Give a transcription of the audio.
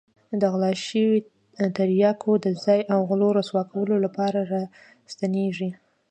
د غلا شوو تریاکو د ځای او غلو رسوا کولو لپاره را ستنېږي.